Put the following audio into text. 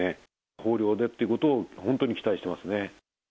豊漁でっていうことを本当に期待してますね。